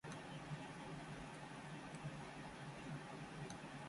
例えば、銀細工の紋章が表紙に付いた分厚い外国の本